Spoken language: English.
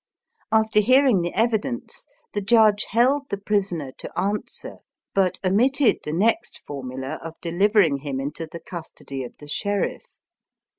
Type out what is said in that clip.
After hearing the eyidence, the judge " held the prisoner to answer," but omitted the next formula of de hvering him into the custody of the sheriff.